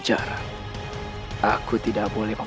jangan pakai lampe